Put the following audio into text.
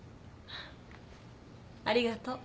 ありがとう。